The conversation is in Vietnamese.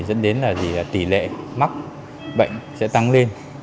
dẫn đến tỷ lệ mắc bệnh sẽ tăng lên